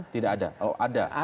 tidak ada oh ada